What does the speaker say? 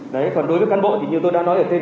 đấy còn đối với cán bộ thì như tôi đã nói ở trên